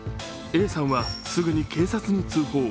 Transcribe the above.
Ａさんはすぐに警察に通報。